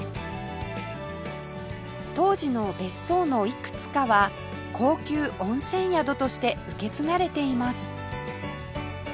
当時の別荘のいくつかは高級温泉宿として受け継がれています